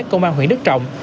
công an huyện đức trọng